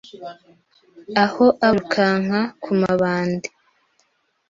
aho aba yirukanka kumabandi